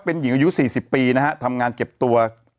เป็นหญิงอายุ๔๐ปีนะฮะทำงานเก็บตัว